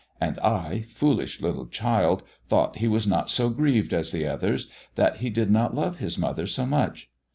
And I, foolish little child, thought he was not so grieved as the others that he did not love his mother so much.